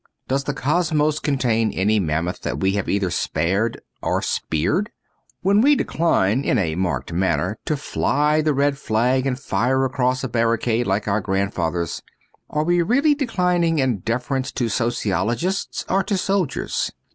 Does the cosmos contain any mammoth that we have either speared or spared ? When we decline (in a marked manner) to fly the red flag and fire across a barricade like our grand fathers, are we really declining in deference to sociologists — or to soldiers